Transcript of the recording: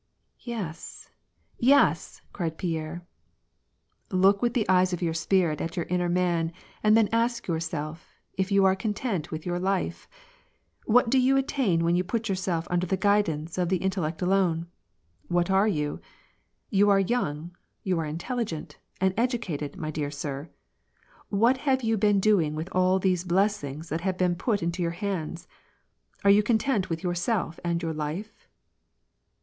" Yes, yes," cried Pierre. " Look with the eyes of your spirit at your inner man, and then ask yourself if you are content with your life ? What do you attain when you put yourself under the guidance of the in tellect alone ? What are you ? Y^ou are young, you are in telligent, and educated, my dear sir. What have you been do ing with all those blessings that have been put into your hi^ds ? Are you content with yourself and your life